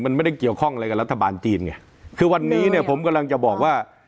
มันไม่ได้เกี่ยวข้องอะไรกับรัฐบาลจีนไงคือวันนี้เนี่ยผมกำลังจะบอกว่า